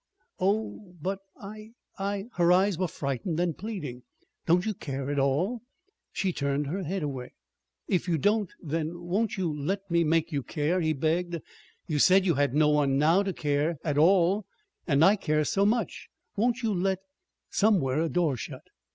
"Oh, but I I !" Her eyes were frightened and pleading. "Don't you care at all?" She turned her head away. "If you don't, then won't you let me make you care?" he begged. "You said you had no one now to care at all; and I care so much! Won't you let " Somewhere a door shut.